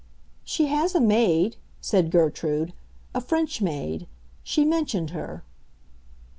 "She has a maid," said Gertrude; "a French maid. She mentioned her."